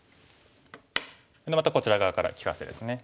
またこちら側から利かしてですね。